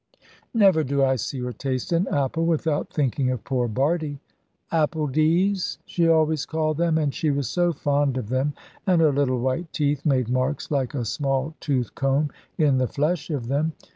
Never do I see or taste an apple without thinking of poor Bardie. "Appledies," she always called them, and she was so fond of them, and her little white teeth made marks like a small tooth comb in the flesh of them.